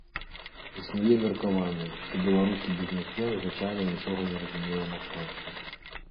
Існуе меркаванне, што беларускі бізнесмен звычайна нічога не разумее ў мастацтве.